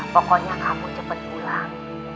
pokoknya kamu cepet pulang